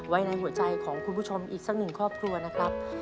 ไว้ในหัวใจของคุณผู้ชมอีกสักหนึ่งครอบครัวนะครับ